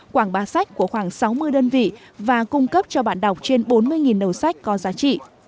khoảng ba sách của khoảng sáu mươi đơn vị và cung cấp cho bạn đọc trên bốn mươi nầu sách có giá trị